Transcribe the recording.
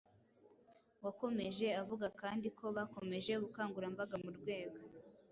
wakomeje avuga kandi ko bakomeje ubukangurambaga mu rwego